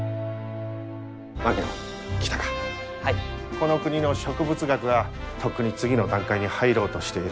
この国の植物学はとっくに次の段階に入ろうとしている。